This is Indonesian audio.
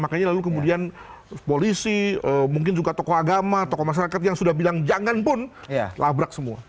makanya lalu kemudian polisi mungkin juga tokoh agama tokoh masyarakat yang sudah bilang jangan pun labrak semua